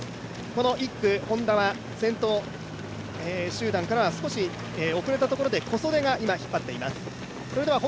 この１区、Ｈｏｎｄａは先頭集団からは少し遅れたところで、小袖が今、引っ張っています。